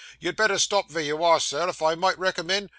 You'd better stop vere you are, sir, if I might recommend.